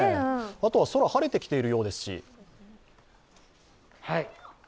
あと空、晴れてきているようですし。